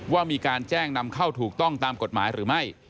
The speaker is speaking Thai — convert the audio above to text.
ว่ามีการแจ้งนำเข้าถูกต้องตามกฎหมายหรือไม่